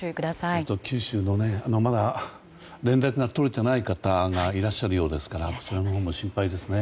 それと九州のまだ連絡が取れていない方がいらっしゃるようなのでそれも心配ですね。